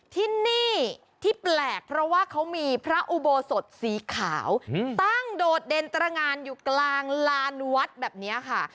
ที่นี่ที่แปลกเพราะว่าเขามีพระอุโบสถสีขาวตั้งโดดเด่นตรงานอยู่กลางลานวัดแบบนี้ค่ะ